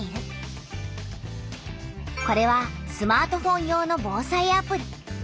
これはスマートフォン用の「防災アプリ」。